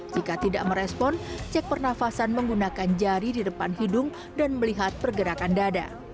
jika tidak merespon cek pernafasan menggunakan jari di depan hidung dan melihat pergerakan dada